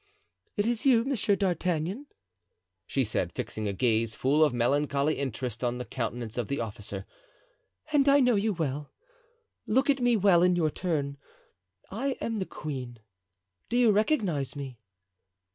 "It is you, Monsieur d'Artagnan," she said, fixing a gaze full of melancholy interest on the countenance of the officer, "and I know you well. Look at me well in your turn. I am the queen; do you recognize me?"